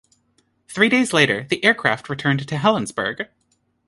Three days later, the aircraft returned to Helensburgh.